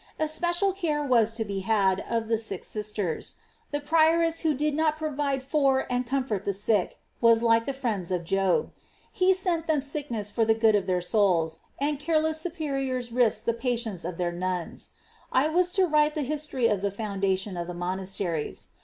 Especial care was to be had of the sick sisters ; the prioress who did not provide for and comfort the sick was like the friends of Job : He sent them sickness for the good of their souls, and careless superiors risked the patience of their nuns. I was to write the history of the foundation of the monasteries.